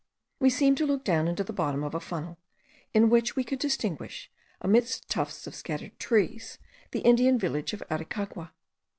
We seemed to look down into the bottom of a funnel, in which we could distinguish, amidst tufts of scattered trees, the Indian village of Aricagua.